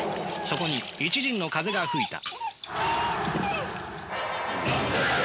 そこに一陣の風が吹いた。